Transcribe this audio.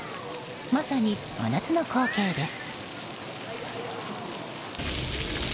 まさに真夏の光景です。